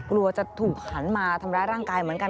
กลัวจะถูกหันมาทำร้ายร่างกายเหมือนกัน